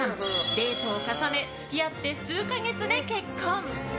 デートを重ね付き合って数か月で結婚。